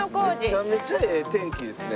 めちゃめちゃええ天気ですね。